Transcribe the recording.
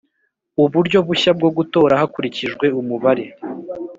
Uburyo bushya bwo gutora hakurikijwe umubare.